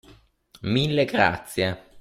Mille grazie!